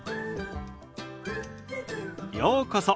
ようこそ。